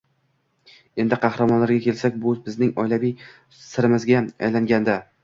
Endi qahramonlarga kelsak, bu bizning oilaviy sirimizga aylangandi